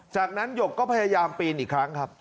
จากนั้นหยกก็พยายามปีนอีกครั้งครับ